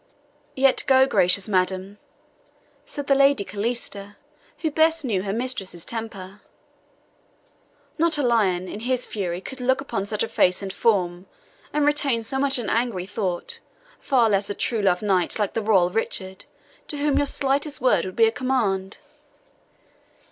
"Yet go, gracious madam," said the Lady Calista, who best knew her mistress's temper; "not a lion, in his fury, could look upon such a face and form, and retain so much as an angry thought, far less a love true knight like the royal Richard, to whom your slightest word would be a command."